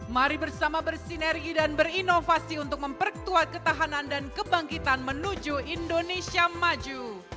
mari bersama bersinergi dan berinovasi untuk memperkuat ketahanan dan kebangkitan menuju indonesia maju